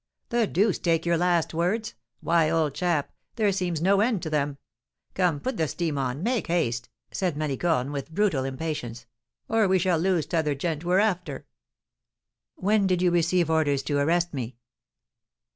"The deuce take your last words! Why, old chap, there seems no end to them. Come, put the steam on; make haste," said Malicorne, with brutal impatience, "or we shall lose t'other gent we're after." "When did you receive orders to arrest me?"